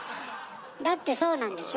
だってそうなんでしょ？